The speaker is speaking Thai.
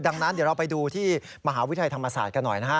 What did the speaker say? ดังนั้นเดี๋ยวเราไปดูที่มหาวิทยาลัยธรรมศาสตร์กันหน่อยนะฮะ